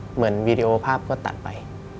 เหมือนวิดีโอภาพก็ตัดไป